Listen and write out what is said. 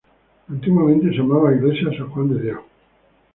Antiguamente se llamaba Iglesia San Juan de Dios.